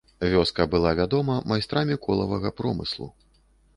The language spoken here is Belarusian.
Вёска была вядома майстрамі колавага промыслу.